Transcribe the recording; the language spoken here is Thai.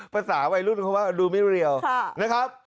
ภาษาวัยรุ่นเพราะว่าดูไม่เรียวนะครับ